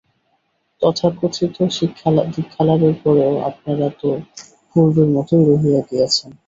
তথাকথিত দীক্ষালাভের পরেও আপনারা তো পূর্বের মতই রহিয়া গিয়াছেন।